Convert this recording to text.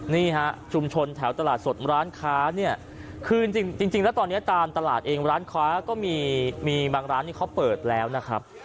นี่ฮะชุมชนแถวตลาดสดร้านค้าเนี่ยคือจริงแล้วตอนนี้ตามตลาดเองร้านค้าก็มีบางร้านที่เขาเปิดแล้วนะครับ